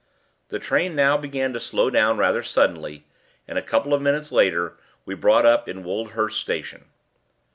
The train now began to slow down rather suddenly, and a couple of minutes later we brought up in Woldhurst station.